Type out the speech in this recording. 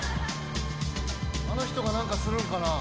あの人が何かするんかな？